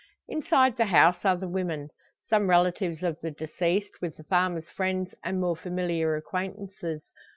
Inside the house are the women some relatives of the deceased, with the farmer's friends and more familiar acquaintances.